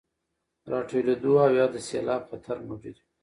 راټولېدو او يا د سيلاب خطر موجود وي،